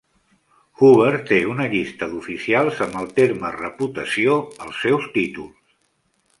Hoover té una llista d'oficials amb el terme "reputació" als seus títols.